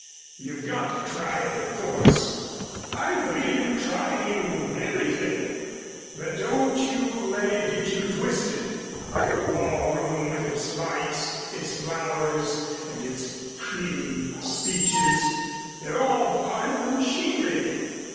You've got to try it, of course, I believe in trying everything, but don't you let it get you twisted the ball room, with its lights, its flowers and its pretty speeches. They're all part of the machinery.